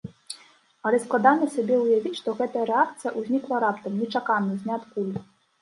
Але складана сабе ўявіць, што гэтая рэакцыя ўзнікла раптам, нечакана, з ніадкуль.